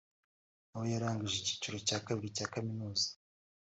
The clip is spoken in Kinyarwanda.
nawe yarangije icyiciro cya kabiri cya Kaminuza